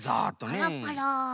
パラパラ。